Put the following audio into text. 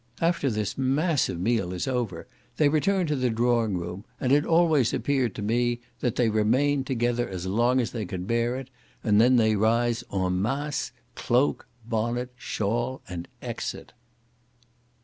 After this massive meal is over, they return to the drawing room, and it always appeared to me that they remained together as long as they could bear it, and then they rise EN MASSE, cloak, bonnet, shawl, and exit.